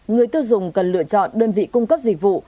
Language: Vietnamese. người tiêu dùng cần lựa chọn đơn vị cung cấp dịch vụ